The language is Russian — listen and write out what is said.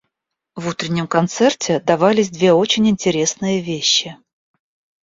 В утреннем концерте давались две очень интересные вещи.